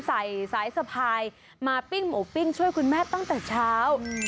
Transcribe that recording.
สายสะพายมาปิ้งหมูปิ้งช่วยคุณแม่ตั้งแต่เช้า